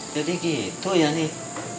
jadi gitu ya nih